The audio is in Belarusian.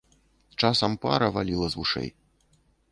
Часам пара валіла з вушэй!